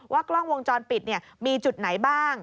กล้องวงจรปิดมีจุดไหนบ้าง